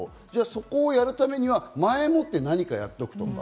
そこをやるためには前もって何かやっておくとか。